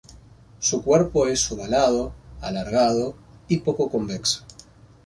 Su cuerpo es ovalado, alargado y poco convexo.